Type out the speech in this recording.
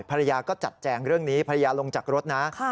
ภรรยาก็จัดแจงเรื่องนี้ภรรยาลงจากรถนะ